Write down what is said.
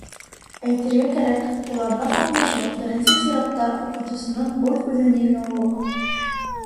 Әйтергә кәрәк, уларҙа ҡатнашыу, беренсе сиратта, уҡытыусының үҙ-үҙен еңеүе ул.